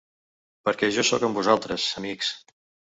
Perquè jo sóc en vosaltres, amics!